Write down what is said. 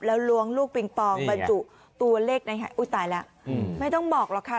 แล้วล้วงลูกปิงปองบรรจุตัวเลขในหายอุ้ยตายแล้วไม่ต้องบอกหรอกค่ะ